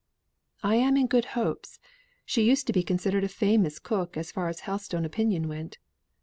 "I am in good hopes. She used to be considered a famous cook as far as Helstone opinion went."